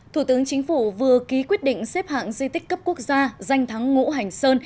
thủ tướng chính phủ vừa ký quyết định xếp hạng di tích cấp quốc gia danh thắng ngũ hành sơn